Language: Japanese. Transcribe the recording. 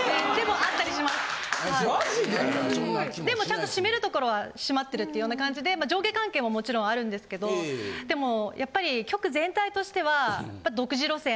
でもちゃんと締めるところは締まってるっていうような感じで上下関係ももちろんあるんですけどでもやっぱり局全体としては。